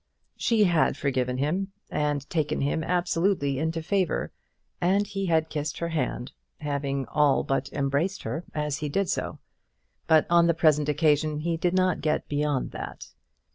She had forgiven him, and taken him absolutely into favour, and he had kissed her hand, having all but embraced her as he did so; but on the present occasion he did not get beyond that.